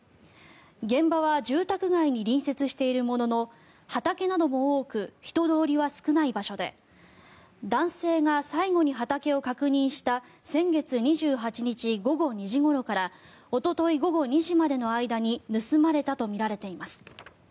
現場は住宅街に隣接しているものの畑なども多く人通りは少ない場所で男性が最後に畑を確認した先月２８日午後２時ごろからおととい午後２時までの間に盗まれたとみられています。